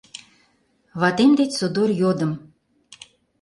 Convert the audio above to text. Ватем деч содор йодым: